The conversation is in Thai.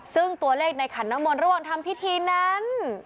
ซึ่งตัวเลขในขันน้ำมนต์ระหว่างทำพิธีนั้น